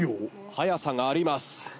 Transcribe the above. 速さがあります。